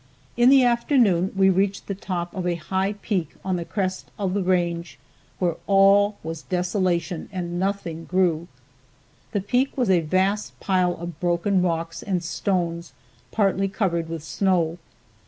In the afternoon we reached the top of a high peak on the crest of the range where all was desolation, and nothing grew. The peak was a vast pile of broken rocks and stones partly covered with snow.